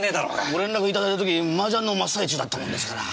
ご連絡いただいた時麻雀の真っ最中だったもんですから。